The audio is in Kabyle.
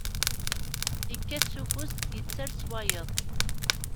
Ikkat s ufus, ittall s wayeḍ.